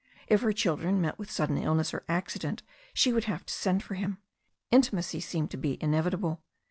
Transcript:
If her children met with sudden illness or accident she would have to send for him. In timacy seemed to be inevitable.